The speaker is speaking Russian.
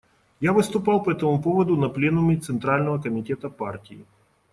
Я выступал по этому поводу на пленуме Центрального Комитета партии.